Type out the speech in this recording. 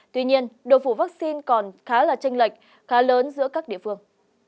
tuy nhiên độ phủ vaccine còn khá là tranh lệch khá lớn giữa các địa phương